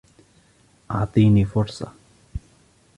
إعطيني فُرصة!